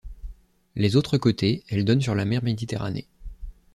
Les autres côtés, elle donne sur la mer Méditerranée.